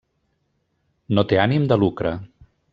No té ànim de lucre.